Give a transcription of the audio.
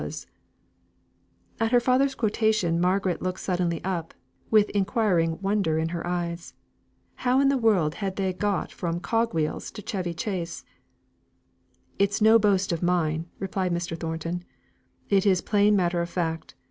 '" At her father's quotation Margaret looked suddenly up, with inquiring wonder in her eyes. How in the world had they got from the cog wheels to Chevy Chace? "It is no boast of mine," replied Mr. Thornton; "it is plain matter of fact.